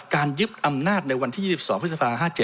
ยึดอำนาจในวันที่๒๒พฤษภา๕๗